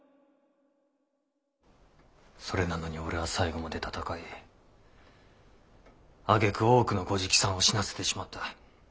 それなのに俺は最後まで戦いあげく多くのご直参を死なせてしまった。